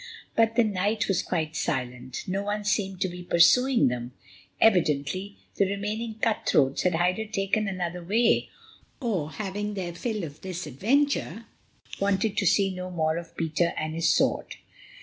But the night was quite silent, no one seemed to be pursuing them. Evidently the remaining cut throats had either taken another way or, having their fill of this adventure, wanted to see no more of Peter and his sword.